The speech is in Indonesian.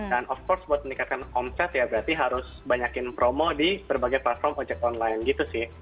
dan of course buat meningkatkan omset ya berarti harus banyakin promo di berbagai platform ojek online gitu sih